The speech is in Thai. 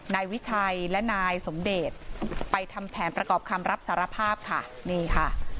นายวิชัยและนายสมเดชไปทำแผนประกอบคำรับสารภาพค่ะนี่ค่ะ